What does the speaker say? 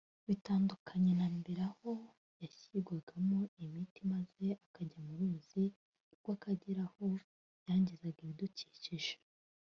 Bitandukanye na mbere aho yashyirwagamo imiti maze akajya mu ruzi rw’Akagera aho yangizaga ibidukikije